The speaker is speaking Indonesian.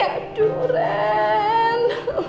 randy aduh ren